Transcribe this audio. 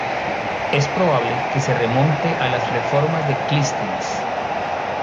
Es probable que se remonte a las reformas de Clístenes.